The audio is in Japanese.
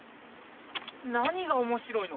何が面白いの？